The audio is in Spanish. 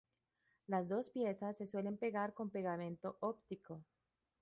Las dos piezas se suelen pegar con pegamento óptico.